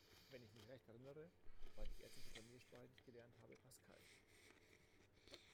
Wenn ich mich recht erinnere, war die erste Programmiersprache, die ich gelernt habe, Pascal.